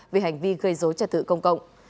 về hành vi gây dối trả thự công cộng